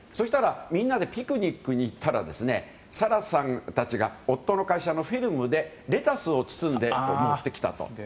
みんなでピクニックに行ったらサラさんたちが夫の会社のフィルムでレタスを包んで持ってきたと。